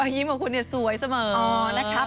รอยยิ้มของคุณเนี่ยสวยเสมอ